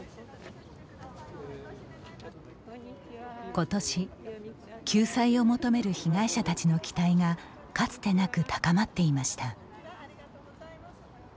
ことし、救済を求める被害者たちの期待がかつてなく高まっていました。